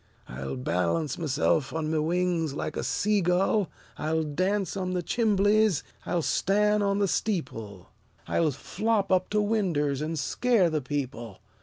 I'll balance myself on my wings like a sea gull; I'll dance on the chimbleys; I'll stan' on the steeple; I'll flop up to winders an' scare the people!